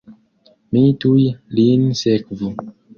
Ni tuj lin sekvu!